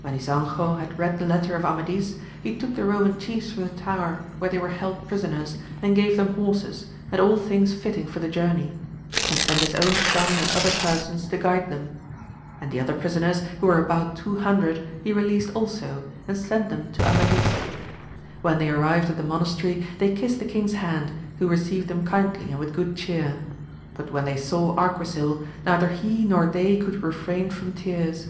"When Ysanjo had read the letter of Amadis, he took the Eoman chiefs from the tower where they were held prisoners, and gave them horses, and all things fitting AMADtS OF GAUL 247 for the journey, and sent his own son and other persons to guide them; and the other prisoners, who were about two hundred, he released also, and sent them to Amadis. When they arrived at the monastery, they kissed the king's hand, who received them kindly and with good cheer. But when they saw Arquisil, neither he nor they could refrain from tears.